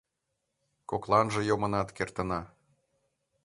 — Кокланже йомынат кертына.